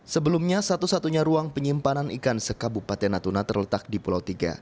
sebelumnya satu satunya ruang penyimpanan ikan sekabupaten natuna terletak di pulau tiga